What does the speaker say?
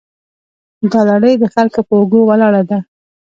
دا لړۍ د خلکو په اوږو ولاړه ده.